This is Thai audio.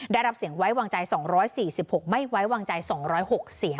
ได้รับเสียงไว้วางใจสองร้อยสี่สิบหกไม่ไว้วางใจสองร้อยหกเสียงค่ะ